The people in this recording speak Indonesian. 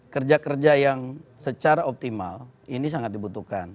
kerja kerja yang secara optimal ini sangat dibutuhkan